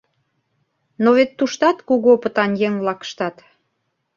Но вет туштат кугу опытан еҥ-влак ыштат.